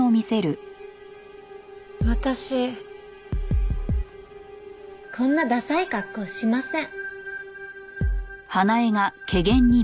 私こんなダサい格好しません。